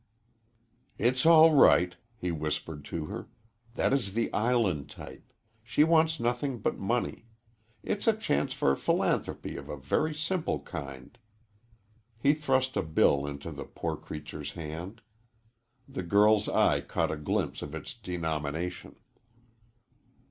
"It's all right," he whispered to her. "That is the Island type. She wants nothing but money. It's a chance for philanthropy of a very simple kind." He thrust a bill into the poor creature's hand. The girl's eye caught a glimpse of its denomination.